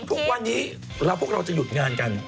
อืมพี่โอเคหมดเลย